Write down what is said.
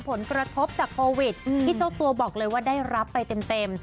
ผลกระทบจากโควิดที่เจ้าตัวบอกเลยว่าได้รับไปเต็ม